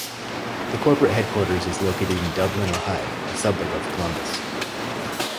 The corporate headquarters is located in Dublin, Ohio, a suburb of Columbus.